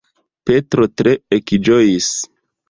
Petro tre ekĝojis!